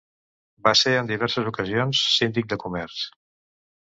Va ser en diverses ocasions síndic de comerç.